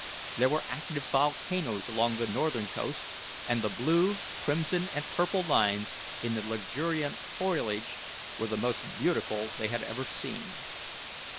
There were active volcanoes along the northern coast, and the blue, crimson, and purple lines in the luxuriant foliage were the most beautiful they had ever seen.